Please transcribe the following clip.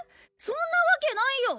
そんなわけないよ。